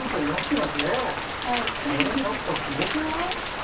これちょっとすごくない？